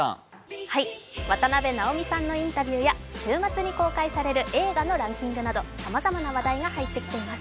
渡辺直美さんのインタビューや週末に公開される映画のランキングなどさまざまな話題が入ってきています。